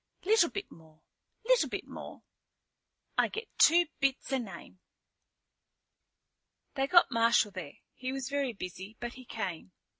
"Little bit more, little bit more. I get two bits a name." They got Marshal there. He was very busy, but he came.